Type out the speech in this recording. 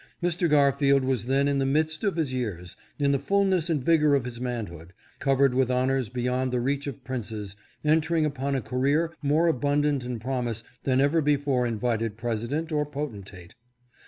Mr. Garfield was then in the midst of his years, in the fulness and vigor of his man hood, covered with honors beyond the reach of princes, entering upon a career more abundant in promise than ever before invited president or potentate.